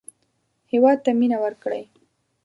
هېواد ته مېنه وکړئ